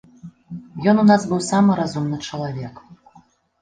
Ён у нас быў самы разумны чалавек.